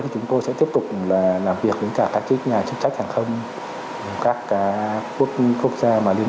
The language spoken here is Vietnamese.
thì chúng tôi sẽ tiếp tục là làm việc với cả các nhà chính sách hàng không các quốc gia mà liên